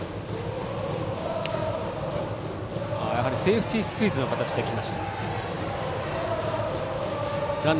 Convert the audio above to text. セーフティースクイズの形で来ました。